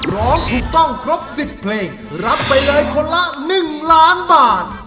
ร้องถูกต้องครบ๑๐เพลงรับไปเลยคนละ๑ล้านบาท